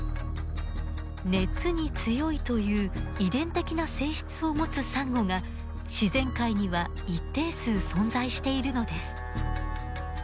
熱に強いという遺伝的な性質を持つサンゴが自然界には一定数存在しているのです。